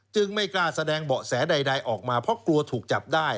ไม่กล้าแสดงเบาะแสใดออกมาเพราะกลัวถูกจับได้